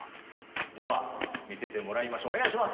では、見せてもらいましょう。